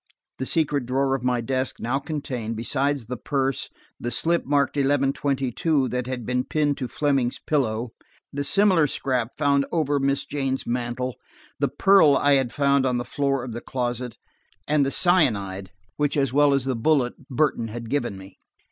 The secret drawer of my desk now contained, besides the purse, the slip marked eleven twenty two that had been pinned to Fleming's pillow; the similar scrap found over Miss Jane's mantel; the pearl I had found on the floor of the closet, and the cyanide, which, as well as the bullet, Burton had given me.